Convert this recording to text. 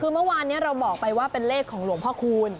คือเมื่อวานนี้เราบอกไปว่าเป็นเลขของหลวงพ่อคูณ